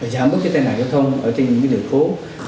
giảm bớt cái tài nạn giao thông ở trên những địa phố